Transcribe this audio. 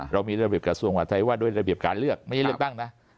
เรามีระเบียบกระทรวงมหาทัยว่าด้วยระเบียบการเลือกไม่ใช่เลือกตั้งนะ